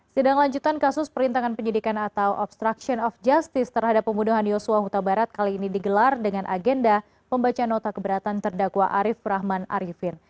sidang lanjutan kasus perintangan penyidikan atau obstruction of justice terhadap pembunuhan yosua huta barat kali ini digelar dengan agenda pembacaan nota keberatan terdakwa arief rahman arifin